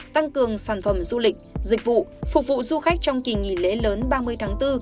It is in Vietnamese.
tăng cường sản phẩm du lịch dịch vụ phục vụ du khách trong kỳ nghỉ lễ lớn ba mươi tháng bốn